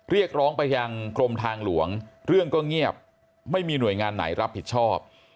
เรียกร้องไปยังกรมทางหลวงเรื่องก็เงียบไม่มีหน่วยงานไหนรับผิดชอบ